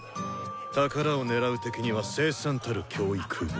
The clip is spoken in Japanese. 「宝を狙う敵には凄惨たる『教育』を」。